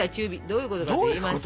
どういうこと？